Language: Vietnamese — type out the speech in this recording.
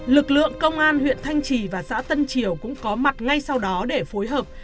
lực lượng công an huyện thanh trì và xã tân triều cũng có mặt ngay sau đó để phối hợp